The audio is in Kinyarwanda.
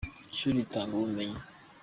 Ishuri ritanga ubumenyi.